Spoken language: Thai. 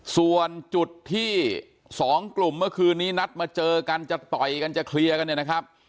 ส่วนจุดที่สองกลุ่มเมื่อคืนนี้นัดมาเจอกันจะต่อยกันจะเคลียร์กันเนี่ยนะครับ